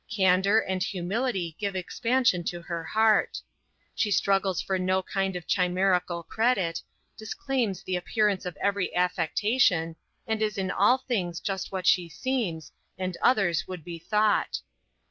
Candor and humility give expansion to her heart. She struggles for no kind of chimerical credit, disclaims the appearance of every affectation, and is in all things just what she seems, and others would be thought.